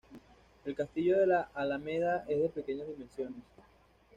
El castillo de la Alameda es de pequeñas dimensiones.